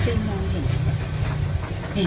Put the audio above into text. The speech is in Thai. ขอบคุณครับ